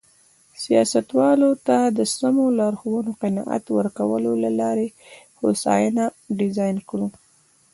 سیاستوالو ته د سمو لارښوونو قناعت ورکولو له لارې هوساینه ډیزاین کړو.